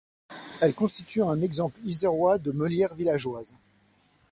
Elle constitue un exemple isérois de meulière villageoise.